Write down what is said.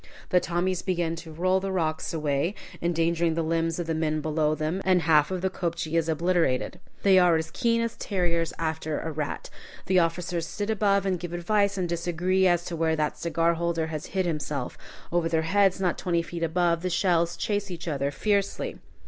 The Tommies begin to roll the rocks away, endangering the limbs of the men below them, and half the kopje is obliterated. They are as keen as terriers after a rat. The officers sit above and give advice and disagree as to where that cigar holder hid itself. Over their heads, not twenty feet above, the shells chase each other fiercely.